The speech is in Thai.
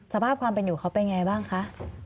สภาพความเป็นอยู่เขาเป็นไงบ้างคะ